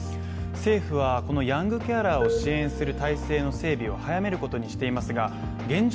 政府はヤングケアラーを支援する体制の整備を早めることにしていますが、現状